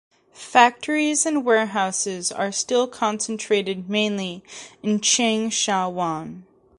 Factories and warehouses are still concentrated mainly in Cheung Sha Wan.